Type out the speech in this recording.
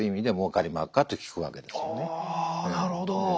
あなるほど！